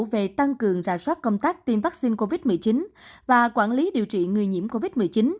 về tăng cường rà soát công tác tiêm vaccine covid một mươi chín và quản lý điều trị người nhiễm covid một mươi chín